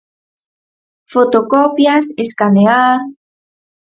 Fotocopias, escanear...